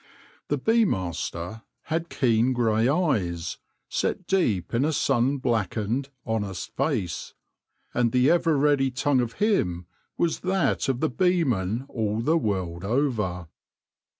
The bee master had keen grey eyes, set deep in a sun blackened, honest face, and the ever ready tongue of him was that of the beeman all the world over.